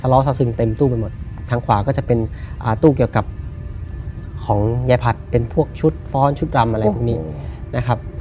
ล้อซาซึงเต็มตู้ไปหมดทางขวาก็จะเป็นตู้เกี่ยวกับของยายผัดเป็นพวกชุดฟ้อนชุดรำอะไรพวกนี้นะครับ